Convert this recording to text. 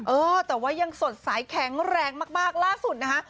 เออแต่ว่ายังสดใสแข็งแรงมากล่าสุดนะคะ